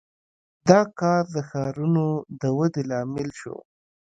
• دا کار د ښارونو د ودې لامل شو.